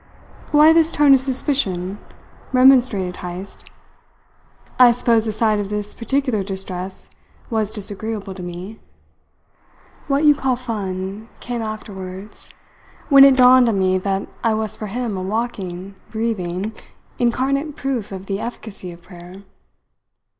"Why this tone of suspicion?" remonstrated Heyst. "I suppose the sight of this particular distress was disagreeable to me. What you call fun came afterwards, when it dawned on me that I was for him a walking, breathing, incarnate proof of the efficacy of prayer.